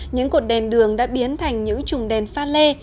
những cột đèn đường đã biến thành những trùng đèn pha lê